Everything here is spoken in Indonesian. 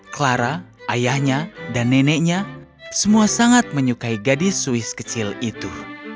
clara ayahnya dan neneknya semua sangat menyukai gadis swiss kecil itu